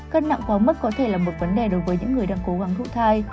cân nặng quá mức có thể là một vấn đề đối với những người đang cố gắng hút thai